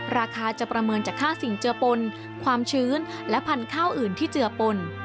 ราคาจะประเมินจากค่าสิ่งเจือปนความชื้นและพันธุ์ข้าวอื่นที่เจือปน